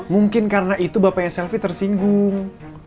mungkin karena itu bapak selvi tersinggung